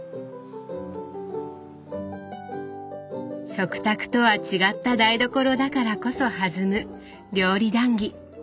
食卓とは違った台所だからこそ弾む料理談議。